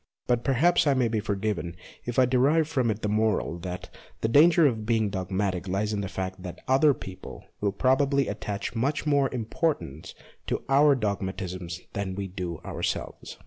But perhaps I may be forgiven if I derive from it the moral that the danger of being dogmatic lies in the fact that other people will probably attach much more importance to our dogmatisms than we do ourselves.